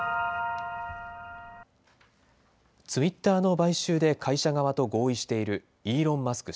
ツイッターの買収で会社側と合意しているイーロン・マスク